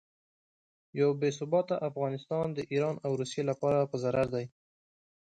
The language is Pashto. یو بې ثباته افغانستان د ایران او روسیې لپاره په ضرر دی.